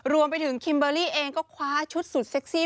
รวมไปถึงคิมเบอร์รี่เองก็คว้าชุดสุดเซ็กซี่